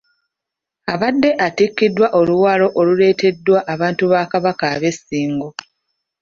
Abadde atikkula oluwalo oluleeteddwa abantu ba Kabaka ab'e Ssingo.